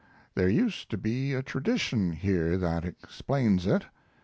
There used to be a tradition here that explains it.